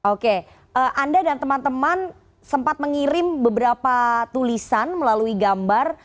oke anda dan teman teman sempat mengirim beberapa tulisan melalui gambar